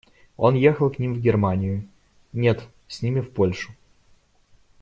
Он ехал к ним в Германию, нет, с ними в Польшу.